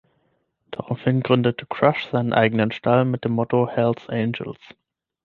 Daraufhin gründete Crush seinen eigenen Stall mit dem Motto „Hells Angels“.